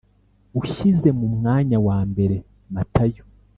ushyize mu mwanya wa mbere Matayo